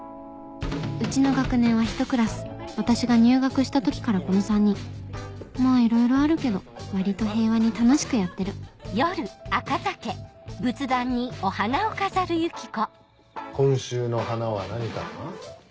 うちの学年はひとクラス私が入学した時からこの３人まぁいろいろあるけど割と平和に楽しくやってる今週の花は何かな？